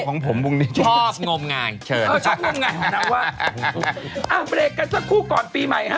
ชอบงมงายชอบงมงายของเราว่าอ่าไปเรียกกันสักครู่ก่อนปีใหม่ฮะ